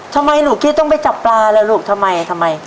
ทำไมหนูคิดต้องไปจับปลาล่ะลูกทำไมทำไม